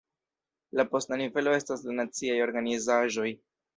La posta nivelo estas la naciaj organizaĵoj.